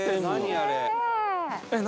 何？